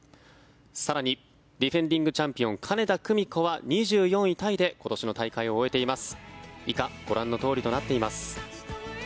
更にディフェンディングチャンピオン金田久美子は２４位タイで今年の大会を終えています。